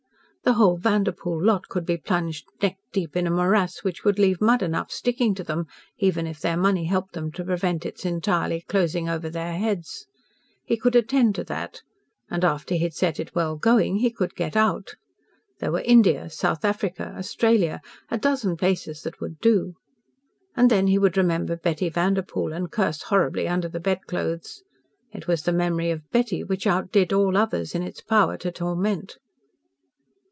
The whole Vanderpoel lot could be plunged neck deep in a morass which would leave mud enough sticking to them, even if their money helped them to prevent its entirely closing over their heads. He could attend to that, and, after he had set it well going, he could get out. There were India, South Africa, Australia a dozen places that would do. And then he would remember Betty Vanderpoel, and curse horribly under the bed clothes. It was the memory of Betty which outdid all others in its power to torment.